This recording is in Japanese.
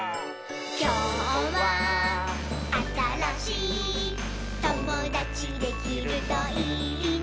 「きょうはあたらしいともだちできるといいね」